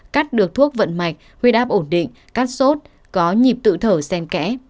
cắt được thuốc vận mạch huyết áp ổn định cắt sốt có nhịp tự thở sen kẽ